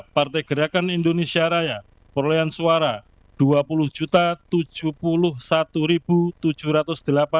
partai gerakan indonesia raya perolehan suara rp dua puluh tujuh puluh satu tujuh ratus delapan puluh